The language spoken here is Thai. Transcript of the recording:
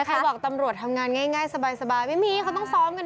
เขาบอกตำรวจทำงานง่ายสบายไม่มีเขาต้องซ้อมกัน